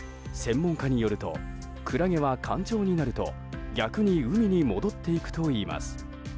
専門家によるとクラゲは干潮になると逆に海に戻っていくといいます。